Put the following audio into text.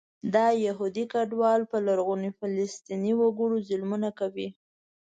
دا یهودي کډوال په لرغوني فلسطیني وګړو ظلمونه کوي.